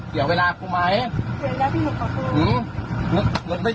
เจ๊คือไม่ใช่ไหม